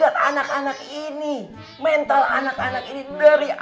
dan mental mereka itu tidak vacuum